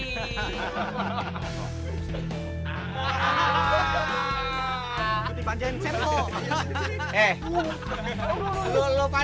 lu pade pasti lapar kan